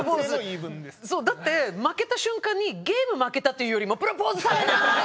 だって負けた瞬間にゲーム負けたっていうよりもプロポーズされない！